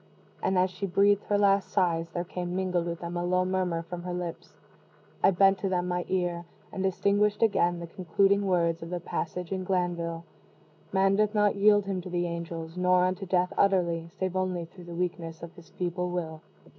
And as she breathed her last sighs, there came mingled with them a low murmur from her lips. I bent to them my ear, and distinguished, again, the concluding words of the passage in Glanvill: "_Man doth not yield him to the angels, nor unto death utterly, save only through the weakness of his feeble will.